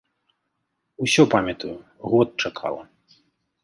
Усё памятаю, год чакала.